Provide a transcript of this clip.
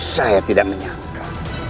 saya tidak menyangka